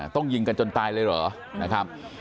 ต้องยิงกันจนตายเลยเหรอนะครับ